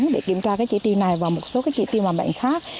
để kiểm tra chỉ tiêu này và một số chỉ tiêu bệnh khác